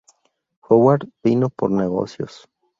Howard vino por negocios.